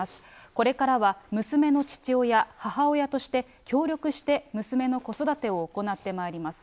これからは娘の父親、母親として、協力して娘の子育てを行ってまいります。